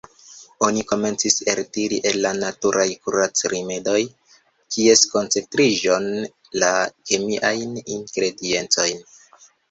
Oni komencis eltiri el la naturaj kurac-rimedoj ties koncentriĝon, la kemiajn ingrediencojn.